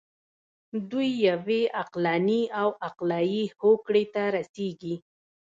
دوی یوې عقلاني او عقلایي هوکړې ته رسیږي.